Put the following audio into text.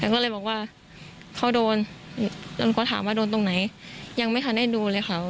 ก็เลยบอกว่าเขาโดนจนเขาถามว่าโดนตรงไหนยังไม่ทันได้ดูเลยค่ะ